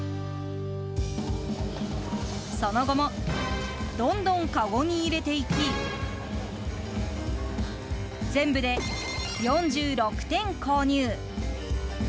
その後もどんどんかごに入れていき全部で４６点購入。